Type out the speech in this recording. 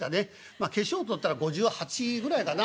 まあ化粧取ったら５８ぐらいかな？